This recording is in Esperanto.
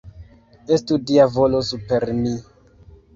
Estu Dia volo super mi!